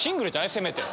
せめて。